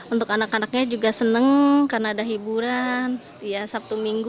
untuk anak anaknya juga senang karena ada hiburan setiap sabtu minggu